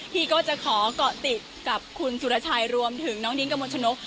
พี่ก็จะขอเกาะติดกับคุณสุรชัยรวมถึงน้องดิ้งกระมวลชนก